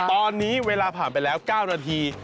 ตอนนี้เวลาผ่านไปแล้ว๙นาที